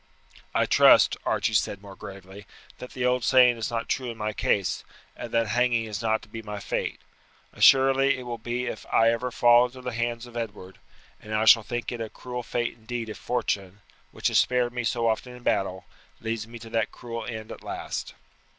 "I trust," Archie said more gravely, "that the old saying is not true in my case, and that hanging is not to be my fate. Assuredly it will be if I ever fall into the hands of Edward, and I shall think it a cruel fate indeed if fortune, which has spared me so often in battle, leads me to that cruel end at last."